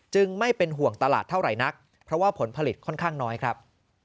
ไม่เป็นห่วงตลาดเท่าไหร่นักเพราะว่าผลผลิตค่อนข้างน้อยครับ